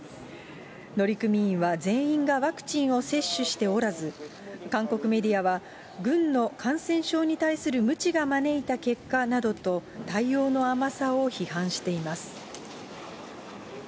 乗組員は全員がワクチンを接種しておらず、韓国メディアは、軍の感染症に対する無知が招いた結果などと、対応の甘さを批判しています。